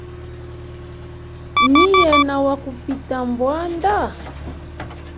Nyi yena wakupita mbwanda?